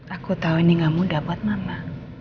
aku tahu ini gak mudah buat mama